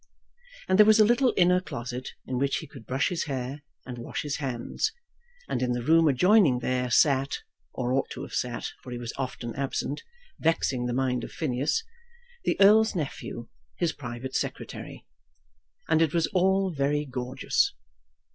And there was a little inner closet in which he could brush his hair and wash his hands; and in the room adjoining there sat, or ought to have sat, for he was often absent, vexing the mind of Phineas, the Earl's nephew, his private secretary. And it was all very gorgeous.